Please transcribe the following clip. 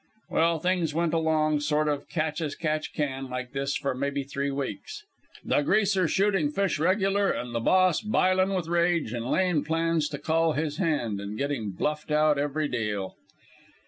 "Well, things went along sort of catch as catch can like this for maybe three weeks, the Greaser shooting fish regular, an' the Boss b'iling with rage, and laying plans to call his hand, and getting bluffed out every deal.